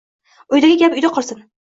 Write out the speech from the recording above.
Uydagi gap uyda qolsin